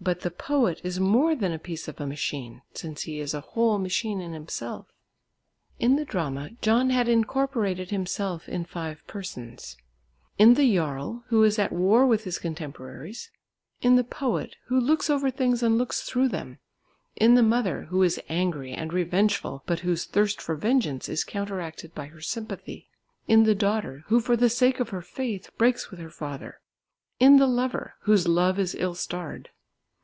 But the poet is more than a piece of a machine, since he is a whole machine in himself. In the drama John had incorporated himself in five persons; in the Jarl, who is at war with his contemporaries; in the Poet, who looks over things and looks through them; in the Mother, who is angry and revengeful but whose thirst for vengeance is counteracted by her sympathy; in the Daughter, who for the sake of her faith breaks with her father; in the Lover, whose love is ill starred.